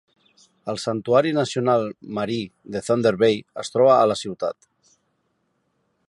El Santuari Nacional Marí de Thunder Bay es troba a la ciutat.